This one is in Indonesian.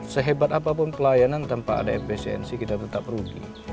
sehebat apapun pelayanan tanpa ada efisiensi kita tetap rugi